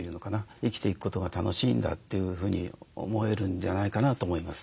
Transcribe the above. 生きていくことが楽しいんだというふうに思えるんじゃないかなと思います。